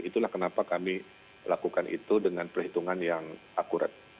itulah kenapa kami lakukan itu dengan perhitungan yang akurat